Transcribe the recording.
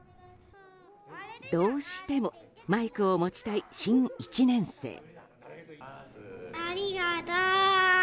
どうしてもマイクを持ちたい新１年生。